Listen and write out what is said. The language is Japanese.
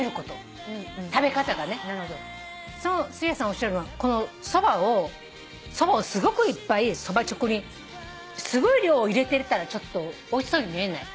おっしゃるのはこのそばをすごくいっぱいそばちょこにすごい量を入れてたらちょっとおいしそうに見えない。